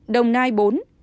đồng nai bốn ca nhiễm